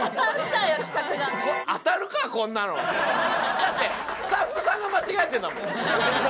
だってスタッフさんが間違えてるんだもん。